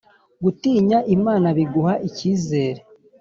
gutinya Imana biguha icyizere